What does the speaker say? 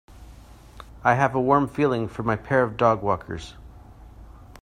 I have a warm feeling for my pair of dogwalkers.